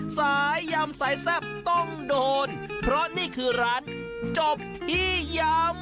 สายยำสายแซ่บต้องโดนเพราะนี่คือร้านจบที่ยำ